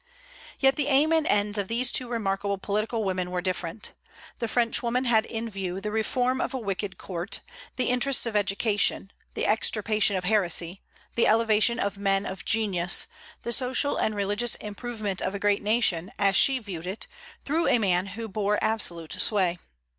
Yet the aim and ends of these two remarkable political women were different. The Frenchwoman had in view the reform of a wicked court, the interests of education, the extirpation of heresy, the elevation of men of genius, the social and religious improvement of a great nation, as she viewed it, through a man who bore absolute sway.